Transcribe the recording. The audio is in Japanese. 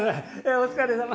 お疲れさま。